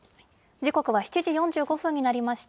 時刻は７時４５分になりました。